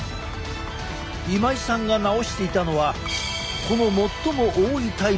今井さんが治していたのはこの最も多いタイプのめまい。